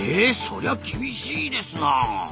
そりゃ厳しいですなあ。